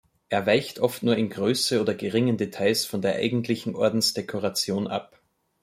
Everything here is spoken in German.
Er weicht oft nur in Größe oder geringen Details von der eigentlichen Ordensdekoration ab.